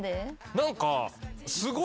何か。